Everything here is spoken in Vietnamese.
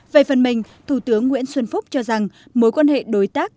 về phần mình thủ tướng nguyễn xuân phúc cho rằng mối quan hệ đối tác